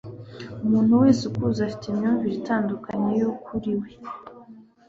Umuntu wese ukuzi afite imyumvire itandukanye yuwo uriwe.